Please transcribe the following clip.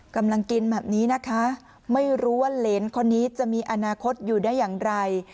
กำลังกินแบบนี้นะคะไม่รู้ว่าเหรนคนนี้จะมีอนาคตอยู่ได้อย่างไร